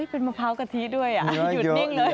เป็นมะพร้าวกะทิด้วยหยุดนิ่งเลย